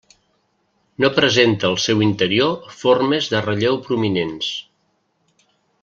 No presenta al seu interior formes de relleu prominents.